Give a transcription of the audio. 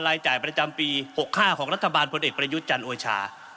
ลายจ่ายประจำปีหกห้าของรัฐบาลผลเอกประยุทธ์จันต์โอซิชา